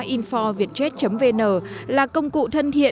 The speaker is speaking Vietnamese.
info vietjet vn là công cụ thân thiện